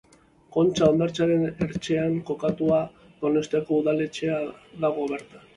Kontxa hondartzaren ertzean kokatua, Donostiako udaletxea dago bertan.